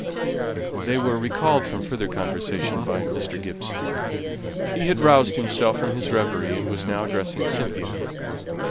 They were recalled from further conversation by Mr. Gibson. He had roused himself from his reverie, and was now addressing Cynthia.